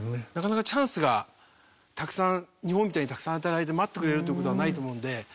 なかなかチャンスがたくさん日本みたいにたくさん与えられて待ってくれるという事はないと思うので。